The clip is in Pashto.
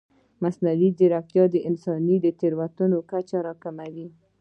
مصنوعي ځیرکتیا د انساني تېروتنو کچه راکموي.